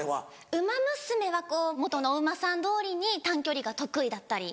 『ウマ娘』はもとのお馬さんどおりに短距離が得意だったり。